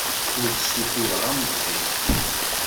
Ur ssutur ara awezɣi!